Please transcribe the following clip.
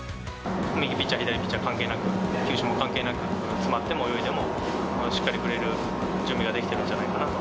右ピッチャー、左ピッチャー関係なく、球種も関係なく、詰まっても泳いでも、しっかり振れる準備ができているんじゃないかなと。